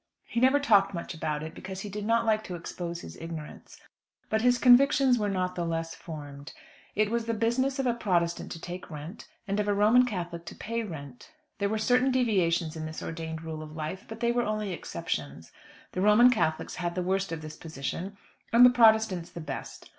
He never talked much about it, because he did not like to expose his ignorance; but his convictions were not the less formed. It was the business of a Protestant to take rent, and of a Roman Catholic to pay rent. There were certain deviations in this ordained rule of life, but they were only exceptions. The Roman Catholics had the worst of this position, and the Protestants the best.